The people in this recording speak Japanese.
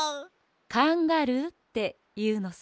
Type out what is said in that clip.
「カンガルー」っていうのさ。